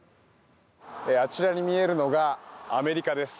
あちらに見えるのがアメリカです。